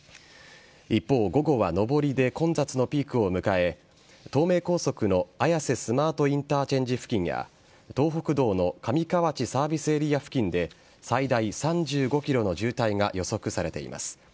一方、午後は上りで混雑のピークを迎え東名高速の綾瀬スマートインターチェンジ付近や東北道の上河内サービスエリア付近で最大３５ｋｍの渋滞が予測されています。